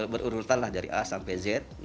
berurutan lah dari a sampai z